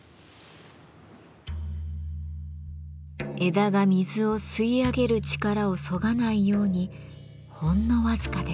枝が水を吸い上げる力をそがないようにほんの僅かです。